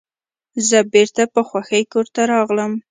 زه بیرته په خوښۍ کور ته راغلم.